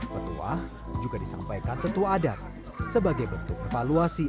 petuah juga disampaikan tetua adat sebagai bentuk evaluasi